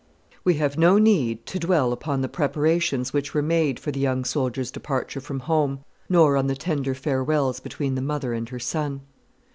We have no need to dwell upon the preparations which were made for the young soldier's departure from home, nor on the tender farewells between the mother and her son.